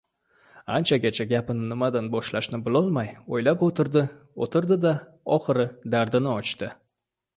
Anchagacha gapni nimadan boshlashni bilolmay uyalib o‘tirdi — o‘tirdi-da, oxiri dardini ochdi.